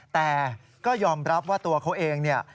แต่ก็ยอมรับว่าตัวเขาเองเนี่ย